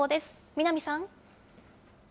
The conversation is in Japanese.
南さん。